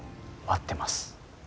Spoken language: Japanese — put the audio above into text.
待ってます。